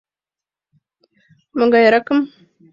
Могайракым?